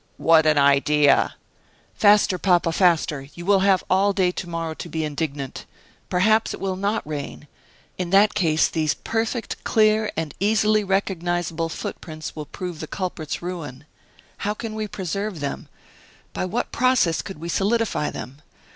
"What an idea!" "Faster, papa, faster; you will have all day to morrow to be indignant. Perhaps it will not rain. In that case, these perfect, clear, and easily recognizable footprints will prove the culprits' ruin. How can we preserve them? By what process could we solidify them?